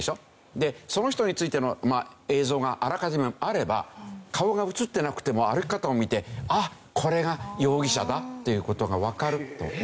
でその人についての映像があらかじめあれば顔が映ってなくても歩き方を見てあっこれが容疑者だっていう事がわかるという事。